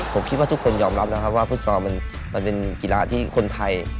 ผมคิดว่าทุกคนยอมรับนะครับว่าฟุตซอลมันเป็นกีฬาที่คนไทย